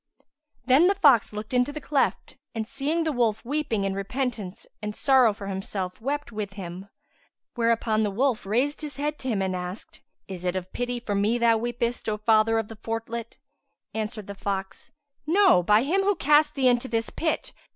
Then the fox looked into the cleft and, seeing the wolf weeping in repentance and sorrow for himself, wept with him; whereupon the wolf raised his head to him and asked, "Is it of pity for me thou weepest, O Father of the Fortlet[FN#152]?" Answered the fox, "No, by Him who cast thee into this pit!